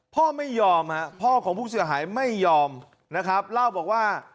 พ่อไม่ยอมฮะพ่อของผู้เสียหายไม่ยอมนะครับเล่าบอกว่า